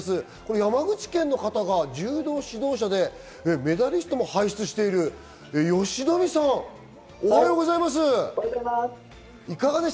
山口県の方が柔道指導者で、メダリストも輩出している吉冨さん、おはようございます。